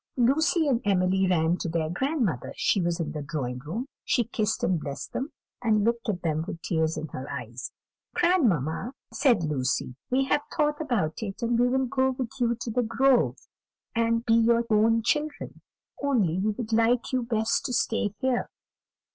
Lucy and Emily ran to their grandmother; she was in the drawing room; she kissed and blessed them, and looked at them with tears in her eyes. "Grandmamma," said Lucy, "we have thought about it, and we will go with you to The Grove, and be your own children; only we would like you best to stay here."